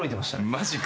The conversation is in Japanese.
マジか。